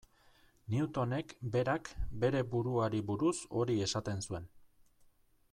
Newtonek berak bere buruari buruz hori esaten zuen.